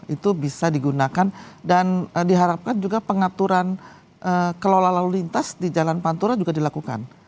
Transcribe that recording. itu bisa digunakan dan diharapkan juga pengaturan kelola lalu lintas di jalan pantura juga dilakukan